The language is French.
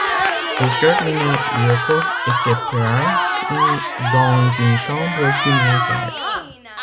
Pour terminer, le corps était placé dans une chambre funéraire.